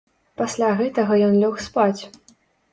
Пасля гэтага ён лёг спаць.